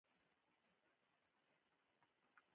باران د افغانستان د زرغونتیا یوه نښه ده.